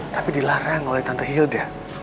tapi dilarang oleh tante hilda